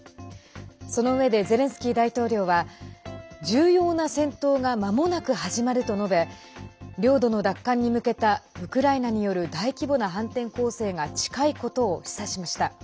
そのうえでゼレンスキー大統領は重要な戦闘がまもなく始まると述べ領土の奪還に向けたウクライナによる大規模な反転攻勢が近いことを示唆しました。